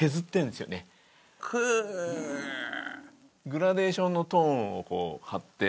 グラデーションのトーンをこう貼って。